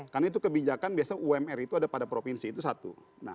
karena itu kebijakan biasanya umr itu ada pada provinsi itu satu